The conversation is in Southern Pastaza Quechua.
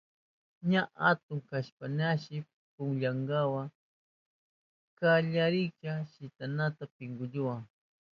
Ña atun kashpañashi pukunawa kallarishkaña shitanata pinkulluwa.